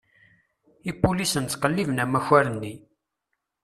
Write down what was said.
Ipulisen ttqelliben amakar-nni.